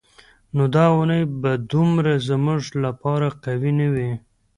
نو دا اونۍ به دومره زموږ لپاره قوي نه وي.